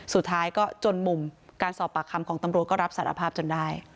สุดท้ายก็จนมุมการสอบปากคำของตำรวจก็รับสารภาพจนได้